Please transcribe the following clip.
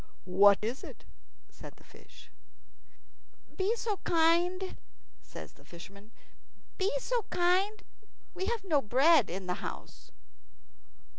"What is it?" said the fish. "Be so kind," says the fisherman; "be so kind. We have no bread in the house."